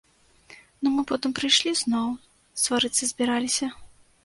Ну мы потым прыйшлі зноў, сварыцца збіраліся.